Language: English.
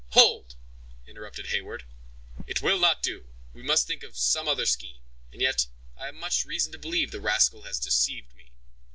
"Hold!" interrupted Heyward, "it will not do—we must think of some other scheme—and yet, I have much reason to believe the rascal has deceived me."